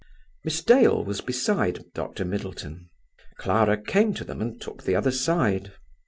Miss Dale was beside Dr. Middleton. Clara came to them and took the other side.